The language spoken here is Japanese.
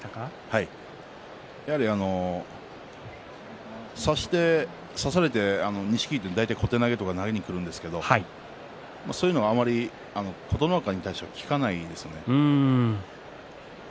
はい、やはり差して差されて錦木は大体小手投げとか投げにくるんですけどそういうのはあまり琴ノ若に対しては効かないんですよね。